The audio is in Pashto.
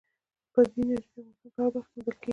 بادي انرژي د افغانستان په هره برخه کې موندل کېږي.